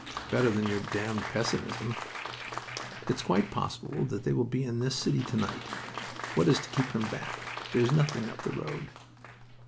"Better than your damned pessimism." "It's quite possible that they will be in this city tonight. What is to keep them back? There's nothing up the road."